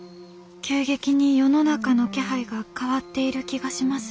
急激に世の中の気配が変わっている気がします。